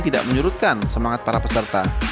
tidak menyurutkan semangat para peserta